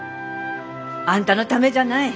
あんたのためじゃない。